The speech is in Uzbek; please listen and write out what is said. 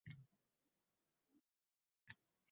Borliq jahon falsafasi.